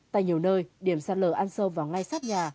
tại nhiều nơi điểm sạt lở ăn sâu vào ngay sát nhà